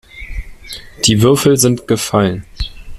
Die Würfel sind gefallen.